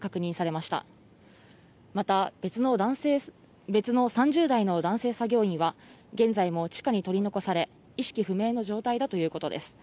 また別の３０代の男性作業員は、現在も地下に取り残され、意識不明の状態だということです。